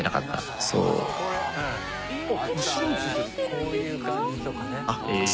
こういう感じとかね。